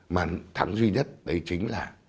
mà thắng duy nhất đấy chính là